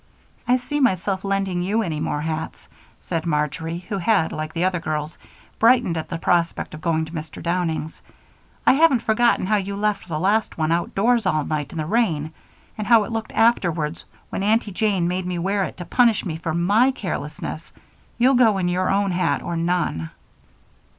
"I don't see myself lending you any more hats," said Marjory, who had, like the other girls, brightened at the prospect of going to Mr. Downing's. "I haven't forgotten how you left the last one outdoors all night in the rain, and how it looked afterwards, when Aunty Jane made me wear it to punish me for my carelessness. You'll go in your own hat or none."